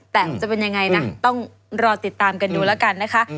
แต่จะเป็นยังไงนะต้องรอติดตามกันดูแล้วกันนะคะ